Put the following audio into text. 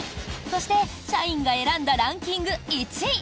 そして社員が選んだランキング１位！